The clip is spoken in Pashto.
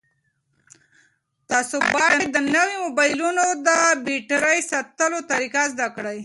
تاسو باید د نویو موبایلونو د بېټرۍ ساتلو طریقه زده کړئ.